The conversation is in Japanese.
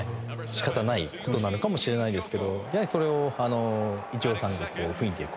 仕方ない事なのかもしれないですけどやはりそれをイチローさんが雰囲気を感じ取って。